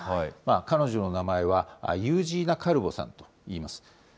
彼女の名前は、ユージーナ・カルボさんといいます。